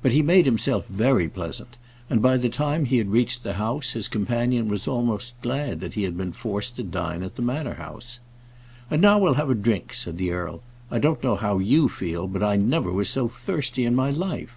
But he made himself very pleasant, and by the time he had reached the house his companion was almost glad that he had been forced to dine at the Manor House. "And now we'll have a drink," said the earl. "I don't know how you feel, but I never was so thirsty in my life."